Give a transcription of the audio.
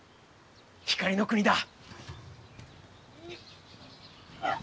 光の国だ。